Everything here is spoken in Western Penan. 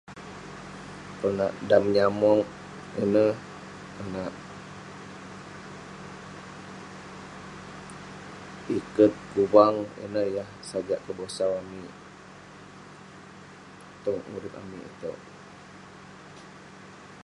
Konak dam nyamog ineh, konak- iket, kuvang ineh yah sajak kebosau amik tong urip amik itouk.